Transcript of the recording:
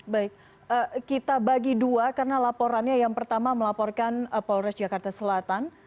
baik kita bagi dua karena laporannya yang pertama melaporkan polres jakarta selatan